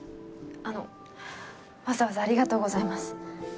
あのわざわざありがとうございます。